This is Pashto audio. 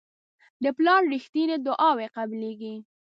د پلار رښتیني دعاوې قبلیږي.